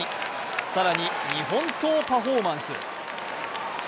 更に、日本刀パフォーマンス。